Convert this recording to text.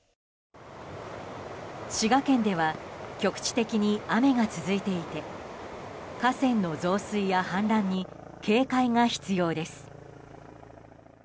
滋賀県では局地的に雨が続いていて河川の増水や氾濫に警戒が必要です。